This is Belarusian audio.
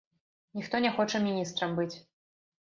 Ніхто не хоча міністрам быць.